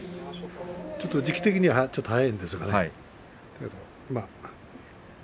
ちょっと時期的には早いんですがね。